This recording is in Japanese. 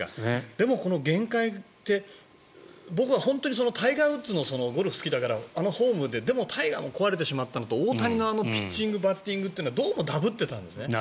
でも限界って僕は本当にタイガー・ウッズのゴルフが好きだからあのフォームで、でもタイガーも壊れてしまったのと大谷のピッチング、バッティングというのはどうもダブってたんですよね。